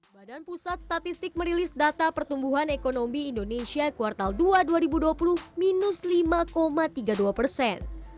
badan pusat statistik merilis data pertumbuhan ekonomi indonesia kuartal dua dua ribu dua puluh minus lima tiga puluh dua persen